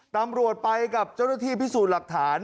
ตำรวจไปกับเจ้าหน้าที่พิสูจน์หลักฐาน